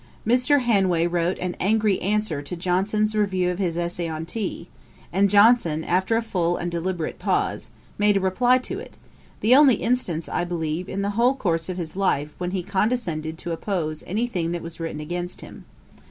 Mr. Hanway wrote an angry answer to Johnson's review of his Essay on Tea, and Johnson, after a full and deliberate pause, made a reply to it; the only instance, I believe, in the whole course of his life, when he condescended to oppose any thing that was written against him.